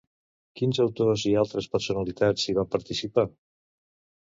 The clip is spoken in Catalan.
Quins autors i altres personalitats hi van participar?